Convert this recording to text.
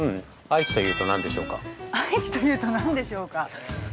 ◆愛知というと、何でしょうか。